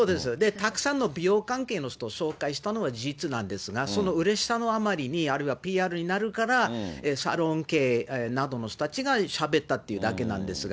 たくさんの美容関係の人を紹介したのは事実なんですが、そのうれしさのあまりに、あるいはＰＲになるから、サロン経営などの人たちがしゃべったというだけなんですが。